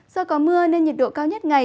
do có mưa nên nhiệt độ cao nhất ngày